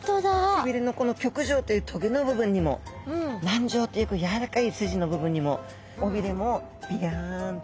背びれのこの棘条というトゲの部分にも軟条というやわらかい筋の部分にも尾びれもびやんと。